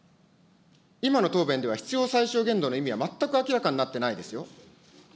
今の答弁では必要最小限度の意味は全く明らかになってないですよ。